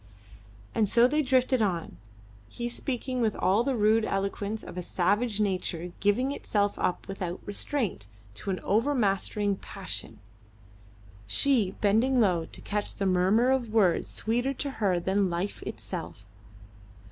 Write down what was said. And so they drifted on, he speaking with all the rude eloquence of a savage nature giving itself up without restraint to an overmastering passion, she bending low to catch the murmur of words sweeter to her than life itself.